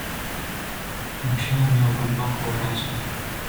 "Musiałem ją głęboko urazić."